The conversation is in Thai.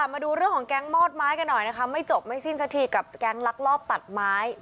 มาดูเรื่องของแก๊งมอดไม้กันหน่อยนะคะไม่จบไม่สิ้นสักทีกับแก๊งลักลอบตัดไม้